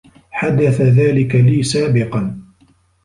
حدث ذلك لي سابقًا.